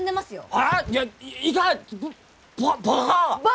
あっ。